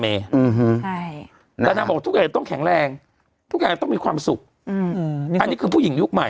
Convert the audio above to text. แต่นางบอกทุกอย่างต้องแข็งแรงทุกอย่างต้องมีความสุขอันนี้คือผู้หญิงยุคใหม่